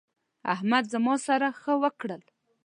احمد زما سره ښه وکړل.